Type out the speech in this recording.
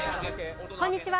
こんにちは。